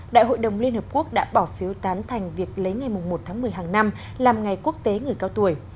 đại hội đồng liên hợp quốc đã bỏ phiếu tán thành việc lấy ngày một tháng một mươi hàng năm làm ngày quốc tế người cao tuổi